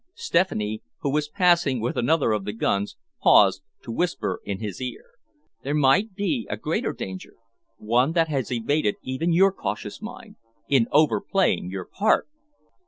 Stephanie, who was passing with another of the guns, paused to whisper in his ear: "There might be a greater danger one that has evaded even your cautious mind in overplaying your part!"